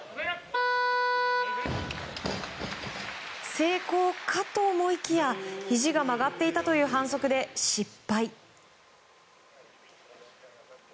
成功かと思いきやひじが曲がっていたという反則で失敗。